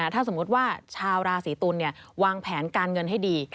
ถ้าสมมุติว่าชาวราศีตุลวางแผนการเงินให้ดี